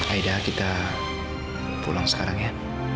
aida kita pulang sekarang ya